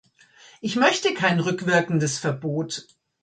Ich möchte kein rückwirkendes Verbot.